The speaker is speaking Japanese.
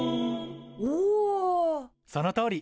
そのとおり！